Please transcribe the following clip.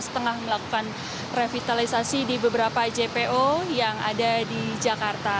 tengah melakukan revitalisasi di beberapa jpo yang ada di jakarta